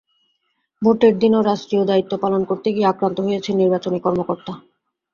ভোটের দিনও রাষ্ট্রীয় দায়িত্ব পালন করতে গিয়ে আক্রান্ত হয়েছেন নির্বাচনী কর্মকর্তা।